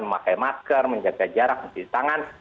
memakai masker menjaga jarak mencuci tangan